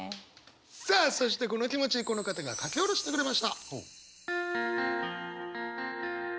さあそしてこの気持ちこの方が書き下ろしてくれました！